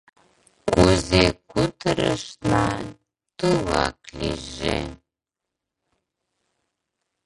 Кузе кутырышна, тугак лийже.